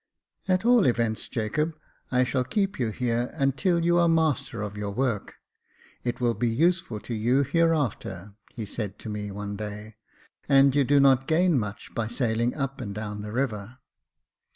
" At all events, Jacob, I shall keep you here until you are master of your work ; it will be useful to you here after," he said to me one day; *'and you do not gain much by sailing up and down the river."